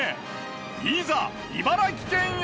いざ茨城県へ！